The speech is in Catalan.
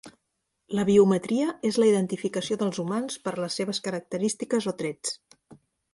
La biometria és la identificació dels humans per les seves característiques o trets.